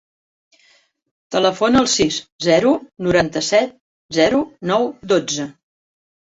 Telefona al sis, zero, noranta-set, zero, nou, dotze.